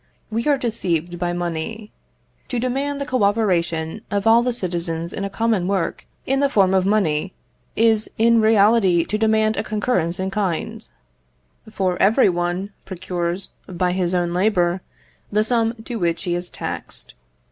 We are deceived by money. To demand the co operation of all the citizens in a common work, in the form of money, is in reality to demand a concurrence in kind; for every one procures, by his own labour, the sum to which he is taxed.